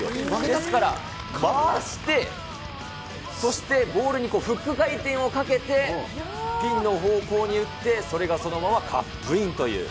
ですから、回して、そしてボールにフック回転をかけて、ピンの方向に打って、それがそのままカップインという。